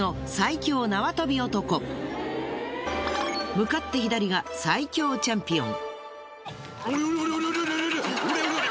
向かって左が最強チャンピオン。